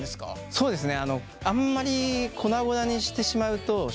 そうですね。